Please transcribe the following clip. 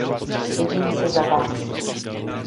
Stydím se za vás.